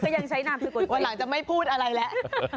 วันหลังจะไม่พูดอะไรแล้ว